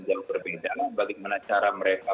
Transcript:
jauh berbeda bagaimana cara mereka